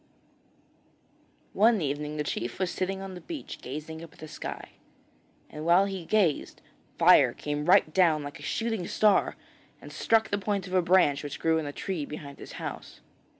One evening the chief was sitting on the beach gazing up at the sky. And while he gazed, fire came right down like a shooting star, and struck the point of a branch which grew on a tree behind his house.